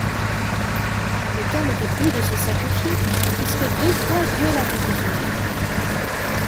Le temps n'était plus de se sacrifier, puisque deux fois Dieu l'avait rendue mère.